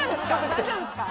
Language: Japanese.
大丈夫ですか？